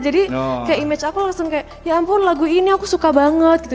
jadi kayak image aku langsung kayak ya ampun lagu ini aku suka banget gitu